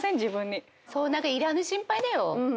いらぬ心配だよ。